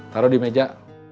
taruh di meja